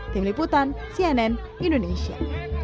tim liputan cnn indonesia